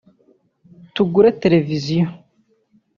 tugure televiziyo